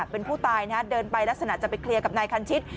เป็นผู้ตายเดินไปลักษณะจะไปเคลียร์กับนายคันชิต